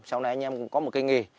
sau này anh em cũng có một cái nghề